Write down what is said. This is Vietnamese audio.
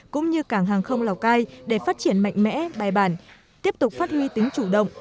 cũng như cảng hàng không lào cai để phát triển mạnh mẽ bài bản tiếp tục phát huy tính chủ động